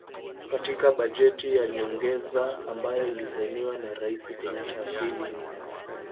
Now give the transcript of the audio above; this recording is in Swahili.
Katika bajeti ya nyongeza ambayo ilisainiwa na Raisi Kenyatta Aprili nne